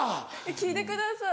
聞いてください